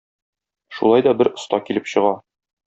Шулай да бер оста килеп чыга.